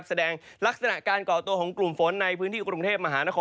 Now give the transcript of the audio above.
ลักษณะการก่อตัวของกลุ่มฝนในพื้นที่กรุงเทพมหานคร